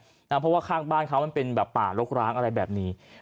เพราะว่าข้างบ้านเขามันเป็นแบบป่ารกร้างอะไรแบบนี้